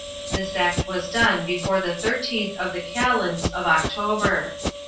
This act was done before the thirteenth of the calends of October."